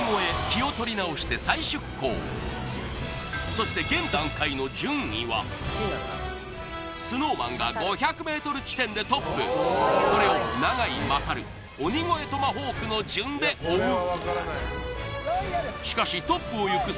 気を取り直して再出航そしてＳｎｏｗＭａｎが５００ｍ地点でトップそれを永井大鬼越トマホークの順で追う